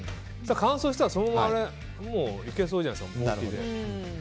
乾燥したらそのままいけそうじゃないですか。